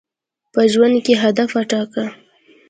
په ژوند کي هدف وټاکه.